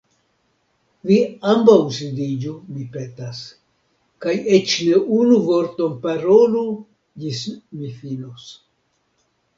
Vi ambaŭ sidiĝu, mi petas. Kaj eĉ ne unu vorton parolu, ĝis mi finos."